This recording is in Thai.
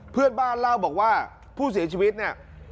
เพื่อนบ้านเล่าบอกว่าผู้เสียชีวิตเนี่ย